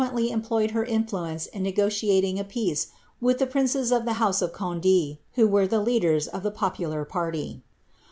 107 lubtequeQlIy employed her influence in negotiating a peace with the princev of the house of Gond£, who were the leaaera of the popular ptrty.